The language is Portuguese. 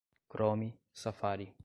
Chrome, Safari